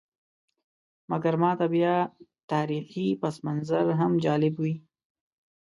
مګر ماته بیا تاریخي پسمنظر هم جالب وي.